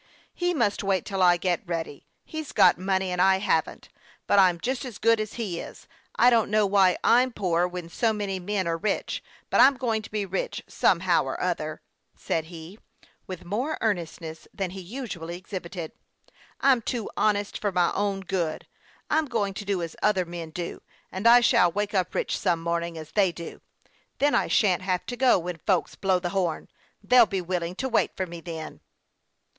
" He must wait till I get ready. He's got money, and I haven't ; but I'm just as good as he is. I don't know why I'm poor when so many men are rich. THE YOUNG PILOT OF LAKE CHAMPLAIX. 31 But I'm going to be rich, somehow or other," said he, with more earnestness than he usually exhibited. " I'm too honest for my own good. I'm going to do as other men do ; and I shall wake up rich some morning, as they do. Then I shan't have to go when, folks blow the horn. They'll be willing to wait for me then."